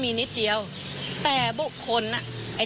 มีความว่ายังไง